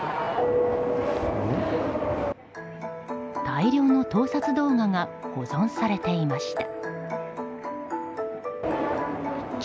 大量の盗撮動画が保存されていました。